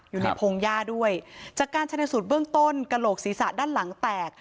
พงหญ้าด้วยจากการชนะสูตรเบื้องต้นกระโหลกศีรษะด้านหลังแตก